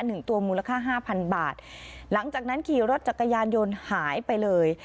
หนึ่งตัวมูลค่าห้าพันบาทหลังจากนั้นขี่รถจักรยานยนต์หายไปเลย